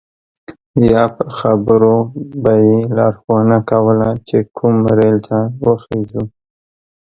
یا په خبرو به یې لارښوونه کوله چې کوم ریل ته وخیژو.